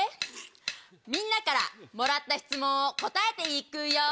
みんなからもらった質問を答えていくよ。